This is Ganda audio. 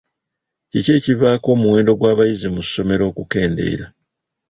Kiki ekivaako omuwendo gw'abayizi mu ssomero okukendeera?